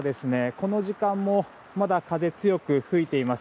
この時間もまだ風が強く吹いています。